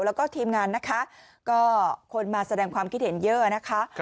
แล้วก็ทีมงานนะคะก็คนมาแสดงความคิดเห็นเยอะนะคะ